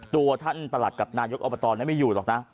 ตัวท่านประหลัดกับนายกอบตไม่อยู่หรอกนะ